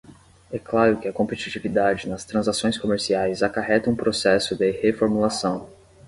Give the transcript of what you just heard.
É claro que a competitividade nas transações comerciais acarreta um processo de reformulação